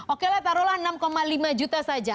oke lah taruhlah enam lima juta saja